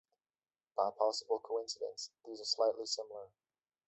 By possible coincidence, these are slightly similar.